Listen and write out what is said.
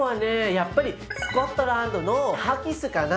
やっぱりスコットランドのハギスかな。